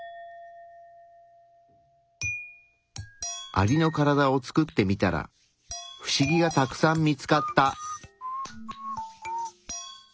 アリのカラダを作ってみたらフシギがたくさん見つかった。